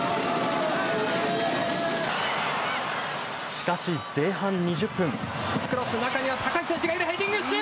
しかし、前半２０分。